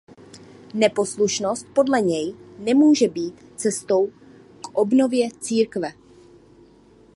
Neposlušnost podle něj nemůže být cestou k obnově církve.